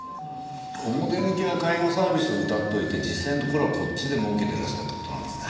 表向きは介護サービスうたっておいて実際のところはこっちで儲けてらしたって事なんですね。